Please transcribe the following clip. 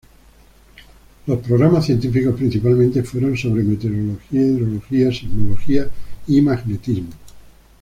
Los programas científicos principalmente fueron sobre: meteorología, hidrología, sismología, y magnetismo.